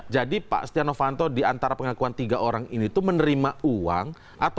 jadi pak setia novanto di antara pengakuan tiga orang ini itu menerima uang